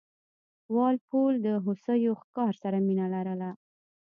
وال پول د هوسیو ښکار سره مینه لرله.